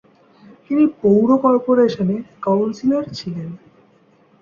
তিনি পৌর কর্পোরেশনের কাউন্সিলর ছিলেন।